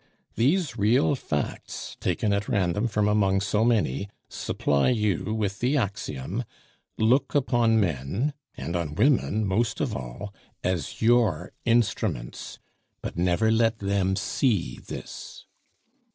These real facts taken at random from among so many supply you with the axiom 'Look upon men, and on women most of all, as your instruments; but never let them see this.